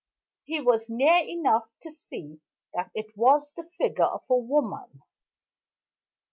He was near enough to see that it was the figure of a woman.